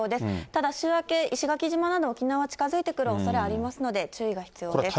ただ、週明け、石垣島など、沖縄に近づいてくるおそれがありますので、注意が必要です。